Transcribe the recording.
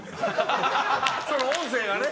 その音声がね。